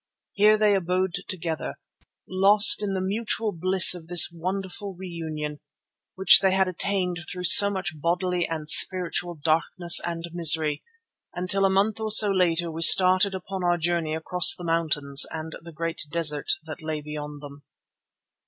Here they abode together, lost in the mutual bliss of this wonderful reunion to which they had attained through so much bodily and spiritual darkness and misery, until a month or so later we started upon our journey across the mountains and the great desert that lay beyond them.